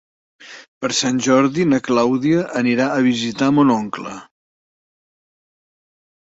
Per Sant Jordi na Clàudia anirà a visitar mon oncle.